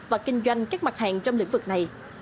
và kinh doanh các mặt hàng trong lĩnh vực này